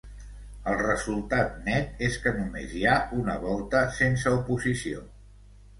El resultat net és que només hi ha una volta sense oposició.